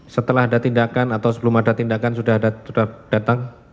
setelah ada tindakan atau sebelum ada tindakan sudah datang